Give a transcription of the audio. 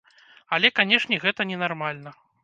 Але канешне гэта ненармальна.